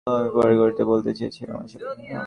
আমি পরের গলিটা বলতে চেয়েছিলাম আসলে।